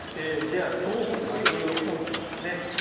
ＪＲ東北本線ですね。